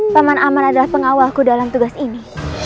paman aman adalah pengawalku dalam tugas ini